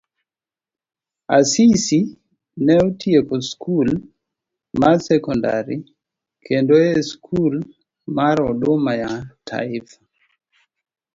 Asisi ne otieko skul mar sekondari koda e skul mar Huduma ya Taifa